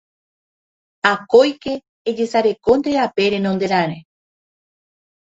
Akóike ejesareko nde rape renonderãre